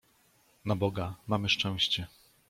"Na Boga, mamy szczęście!"